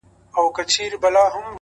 خپه په دې يم چي زه مرمه او پاتيږي ژوند؛